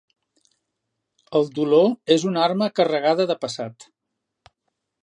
El dolor és una arma carregada de passat.